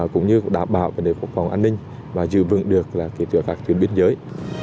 cũng như đảm bảo vấn đề phòng an ninh và giữ vững được các tuyến biên giới